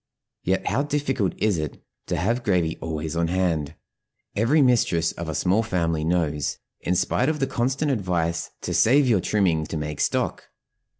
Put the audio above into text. Yet how difficult it is to have gravy always on hand every mistress of a small family knows, in spite of the constant advice to "save your trimming to make stock."